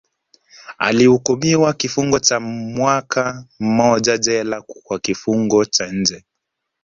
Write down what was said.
Alihukumiwa kifungo cha mwaka mmoja jela kwa kifungo cha nje